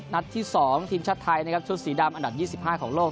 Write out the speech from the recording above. นัดที่๒ทีมชาติไทยนะครับชุดสีดำอันดับ๒๕ของโลก